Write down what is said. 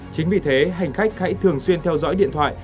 chính vì thế hành khách hãy thường xuyên theo dõi điện thoại